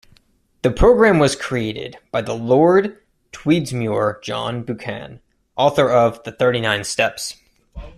The program was created by the Lord Tweedsmuir-John Buchan, author of "The Thirty-Nine Steps".